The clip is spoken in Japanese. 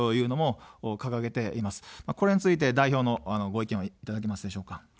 これについて代表のご意見はいかがでしょうか。